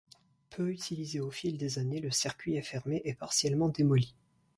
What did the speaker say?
Peu utilisé au fil des années, le circuit est fermé et partiellement démoli.